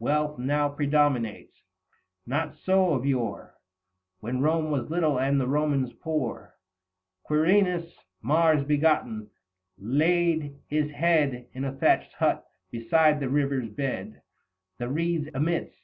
Wealth now predominates ; not so of yore When Rome was little and the Romans poor. Quirinus, Mars begotten, laid his head In a thatched hut, beside the river's bed 210 The reeds amidst.